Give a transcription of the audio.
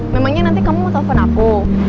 memangnya nanti kamu mau telepon aku